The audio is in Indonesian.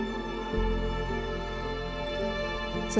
kondisi matanya di rumah sakit mata makassar